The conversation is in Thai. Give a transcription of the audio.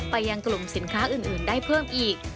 ไปยังกลุ่มสินค้าอื่นได้เพิ่มอีก